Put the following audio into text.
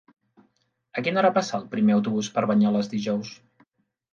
A quina hora passa el primer autobús per Banyoles dijous?